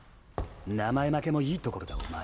名前負けもいいところだお前。